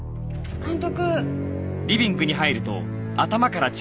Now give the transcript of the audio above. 監督！！